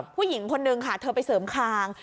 ผู้หญิงคนนึงค่ะเธอไปเสริมคาง